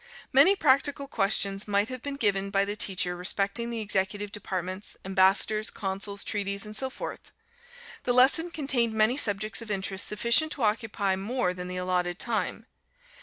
Many practical questions might have been given by the teacher respecting the executive departments, ambassadors, consuls, treaties, and so forth. The lesson contained many subjects of interest sufficient to occupy more than the allotted time.